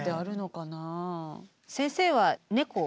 先生は猫を？